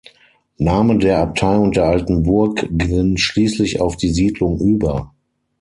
Name der Abtei und der alten Burg gingen schließlich auf die Siedlung über.